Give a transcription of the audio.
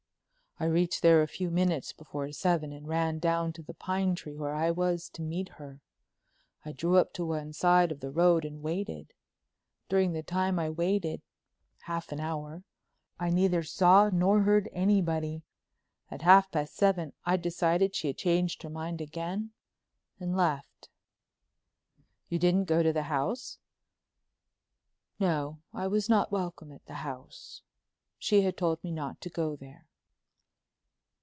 "I reached there a few minutes before seven and ran down to the pine tree where I was to meet her. I drew up to one side of the road and waited. During the time I waited—half an hour—I neither saw nor heard anybody. At half past seven I decided she had changed her mind again and left." "You didn't go to the house?" "No—I was not welcome at the house. She had told me not to go there."